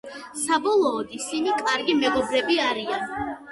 საბოლოოდ, ისინი კარგი მეგობრები არიან.